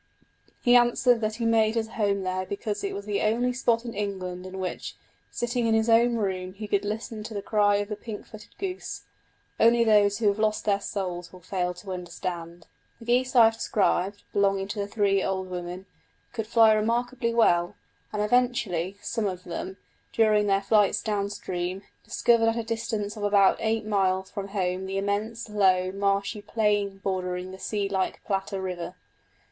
He answered, that he made his home there because it was the only spot in England in which, sitting in his own room, he could listen to the cry of the pink footed goose. Only those who have lost their souls will fail to understand. The geese I have described, belonging to the three old women, could fly remarkably well, and eventually some of them, during their flights down stream, discovered at a distance of about eight miles from home the immense, low, marshy plain bordering the sea like Plata River.